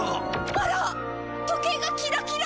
あらっ時計がキラキラ！